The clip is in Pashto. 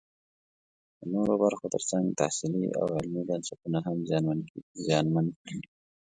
د نورو برخو ترڅنګ تحصیلي او علمي بنسټونه هم زیانمن کړي